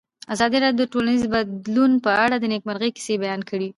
ازادي راډیو د ټولنیز بدلون په اړه د نېکمرغۍ کیسې بیان کړې.